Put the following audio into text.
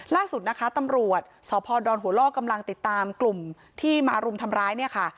ล่าสุดนะคะตำรวจสพดหัวล่อกำลังติดตามกลุ่มที่มารุมทำร้ายเนี่ยค่ะ